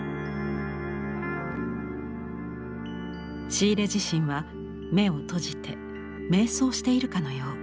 シーレ自身は目を閉じて瞑想しているかのよう。